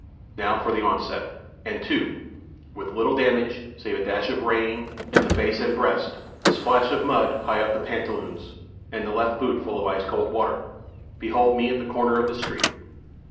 Now for the onset! And to! with little damage, save a dash of rain in the fact and breast, a splash of mud high up the pantaloons, and the left boot full of ice cold water, behold me at the corner of the street.